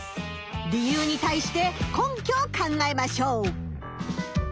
理由に対して根拠を考えましょう。